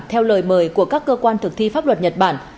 theo lời mời của các cơ quan thực thi pháp luật nhật bản